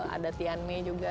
ada tian mei juga